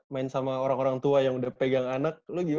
main sama orang orang tua yang udah pegang anak lo gimana